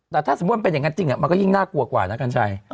แต่ถ้าสมมุติมันเป็นอย่างนั้นจริงมันก็ยิ่งน่ากลัวกว่านะกัญชัย